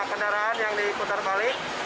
tiga puluh lima kendaraan yang diikutar balik